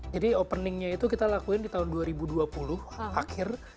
dan paningnya itu kita lakuin di tahun dua ribu dua puluh akhir